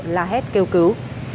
là hết kêu cứu